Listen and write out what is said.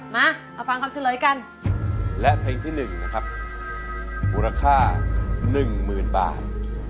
มาต่อฟังทำชื่อเลยกันและเพลงหนึ่งนะครับราคาหนึ่งมื้อนบาท